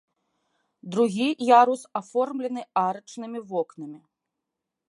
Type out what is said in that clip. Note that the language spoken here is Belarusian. Другі ярус аформлены арачнымі вокнамі.